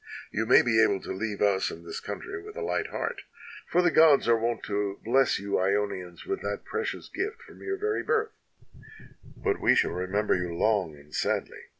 You may be able to leave us and this country with a light heart, for the gods are wont to bless you lonians with that precious gift from your very birth, but we shall remember you long and sadly.